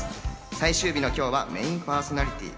最終日の今日はメインパーソナリティー